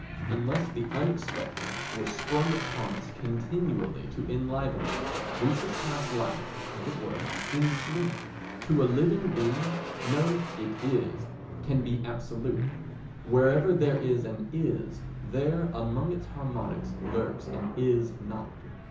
Unless the unexpected were sprung upon us continually to enliven us we should pass life, as it were, in sleep. To a living being no "It is" can be absolute; wherever there is an "Is," there, among its harmonics, lurks an "Is not."